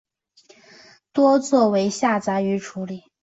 多做为下杂鱼处理。